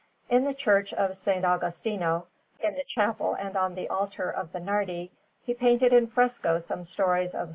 In the Church of S. Agostino, in the chapel and on the altar of the Nardi, he painted in fresco some stories of S.